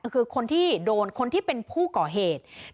คือคนที่โดนคนที่เป็นผู้ก่อเหตุ